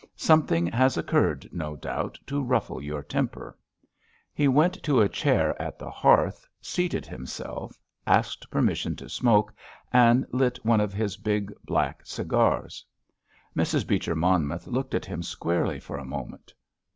Something has occurred, no doubt, to ruffle your temper." He went to a chair at the hearth, seated himself, asked permission to smoke, and lit one of his big, black cigars. Mrs. Beecher Monmouth looked at him squarely for a moment.